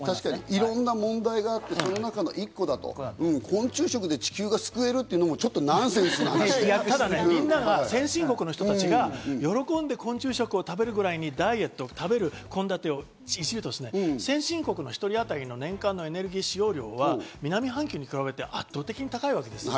いろんな問題があって、その一個、昆虫食で地球が救えるというのも、ちょっとナンセンスな話で、先進国の人たちが喜んで昆虫食を食べるくらいにダイエット、先進国の一人当たりの年間エネルギー使用量は、南半球に比べたら圧倒的に高いわけです。